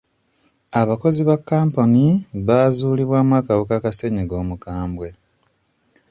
Abakozi ba kampuni bazuulibwamu akawuka ka ssenyiga omukambwe.